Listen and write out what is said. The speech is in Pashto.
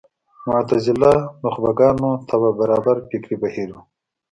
معتزله نخبه ګانو طبع برابر فکري بهیر و